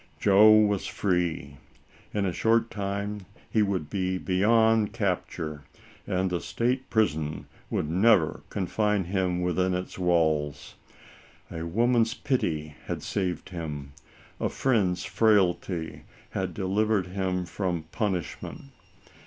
Joe was free ; in a short time he would be beyond capture, and the state prison would never confine him within its walls. A woman's pity had saved him ; a friend's frailty had delivered him from punishment.